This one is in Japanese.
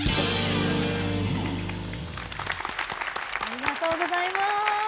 ありがとうございます！